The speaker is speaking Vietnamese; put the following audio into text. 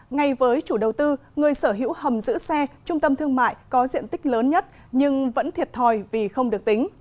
ngay với chủ đầu tư người sở hữu hầm giữ xe trung tâm thương mại có diện tích lớn nhất nhưng vẫn thiệt thòi vì không được tính